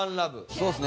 そうですね。